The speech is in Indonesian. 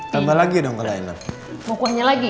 tambah lagi dong kalau enak